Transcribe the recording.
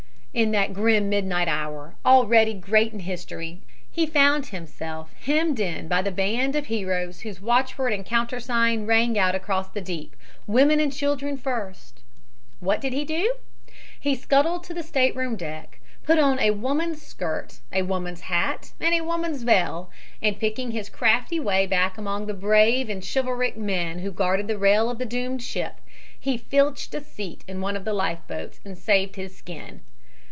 In that grim midnight hour, already great in history, he found himself hemmed in by the band of heroes whose watchword and countersign rang out across the deep "Women and children first!" What did he do? He scuttled to the stateroom deck, put on a woman's skirt, a woman's hat and a woman's veil, and picking his crafty way back among the brave and chivalric men who guarded the rail of the doomed ship, he filched a seat in one of the life boats and saved his skin.